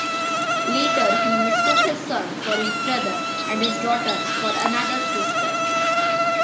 Later he mistook his son for his brother and his daughter for another sister.